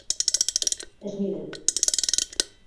Es miren.